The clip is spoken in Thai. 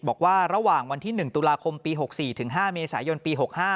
บอกว่าระหว่างวันที่๑ตุลาคมปี๖๔ถึง๕เมษายนปี๖๕